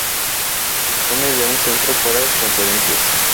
Dispone de un centro para conferencias.